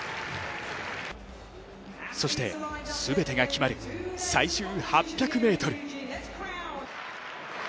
そして、全てが決まる最終８００ｍ。